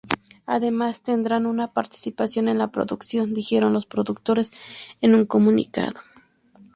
Además tendrá una participación en la producción, dijeron los productores en un comunicado.